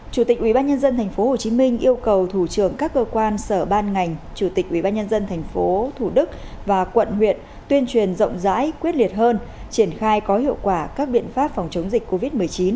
chủ tịch ủy ban nhân dân tp hcm yêu cầu thủ trưởng các cơ quan sở ban ngành chủ tịch ủy ban nhân dân tp thủ đức và quận huyện tuyên truyền rộng rãi quyết liệt hơn triển khai có hiệu quả các biện pháp phòng chống dịch covid một mươi chín